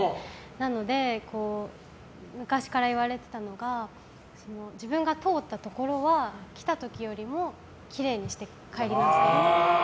なので、昔から言われてたのが自分が通ったところは来た時よりもきれいにして帰りなさいって。